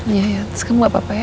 iyaya terus kamu gak apa apa ya